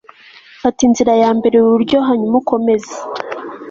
fata inzira yambere iburyo hanyuma ukomeze